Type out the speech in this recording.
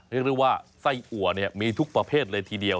เรียกได้ว่าไส้อัวมีทุกประเภทเลยทีเดียว